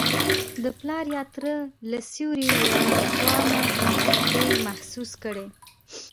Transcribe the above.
د پلار یا تره له سیوري وراخوا نه دی محسوس کړی.